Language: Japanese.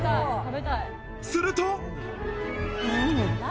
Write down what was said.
すると。